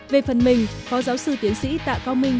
về phần mình phó giáo sư tiến sĩ tạ cao minh